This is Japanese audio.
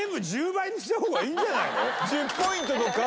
全部１０ポイントとか。